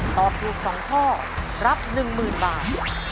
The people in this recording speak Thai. ตอบถูก๒ข้อรับ๑๐๐๐บาท